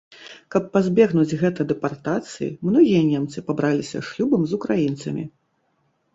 Каб пазбегнуць гэта дэпартацыі, многія немцы пабраліся шлюбам з украінцамі.